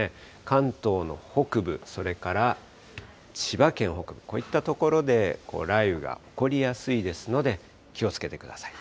関東の北部、それから千葉県北部、こういった所で雷雨が起こりやすいですので、気をつけてください。